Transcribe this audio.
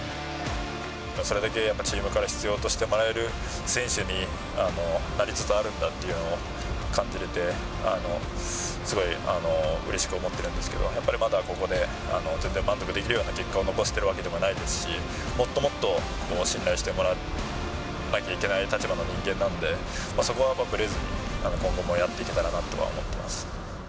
それだけやっぱチームから必要としてもらえる選手になりつつあるんだっていうのを感じれて、すごいうれしく思ってるんですけど、やっぱりまだここで全然満足できるような結果を残せているわけでもないですし、もっともっと信頼してもらわなきゃいけない立場の人間なんで、そこはぶれずに、今後もやっていけたらなとは思ってます。